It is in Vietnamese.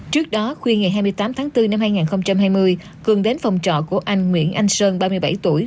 trước đó khuya ngày hai mươi tám tháng bốn năm hai nghìn hai mươi cường đến phòng trọ của anh nguyễn anh sơn ba mươi bảy tuổi